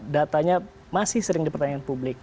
datanya masih sering dipertanyakan publik